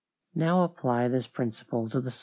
Now apply this principle to the soil.